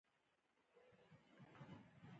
غمجنو وګړو ته رسیږي.